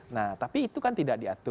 nah tapi itu kan tidak diatur